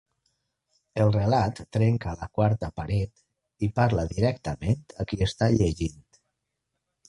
El relat trenca la quarta paret i parla directament a qui està llegint.